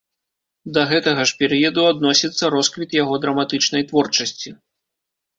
Да гэтага ж перыяду адносіцца росквіт яго драматычнай творчасці.